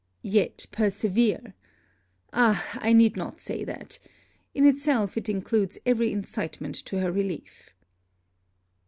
Yet, persevere! Ah! I need not say that! in itself, it includes every incitement to her relief.